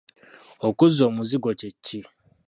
Okuzza omuzigo kye ki?